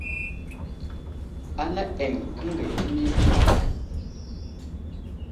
Ana eŋ kəngay kəni nəwaray ?